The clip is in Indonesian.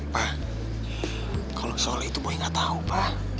pak kalau soal itu boy gak tau pak